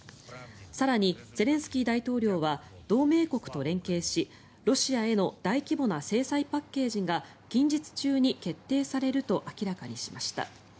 更にゼレンスキー大統領は同盟国と連携しロシアへの大規模な制裁パッケージが近日中に決定されると明らかにしました。